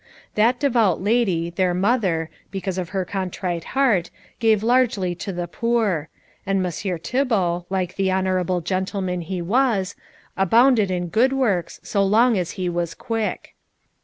That devout lady, their mother, because of her contrite heart, gave largely to the poor; and Messire Thibault, like the honourable gentleman he was, abounded in good works so long as he was quick.